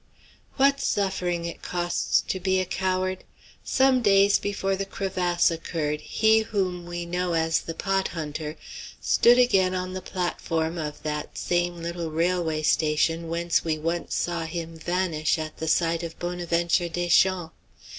What suffering it costs to be a coward! Some days before the crevasse occurred, he whom we know as the pot hunter stood again on the platform of that same little railway station whence we once saw him vanish at sight of Bonaventure Deschamps.